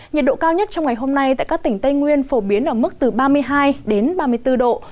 nhiệt độ cao nhất trong ngày hôm nay tại các tỉnh tây nguyên phổ biến ở mức từ ba mươi hai đến ba mươi bốn độ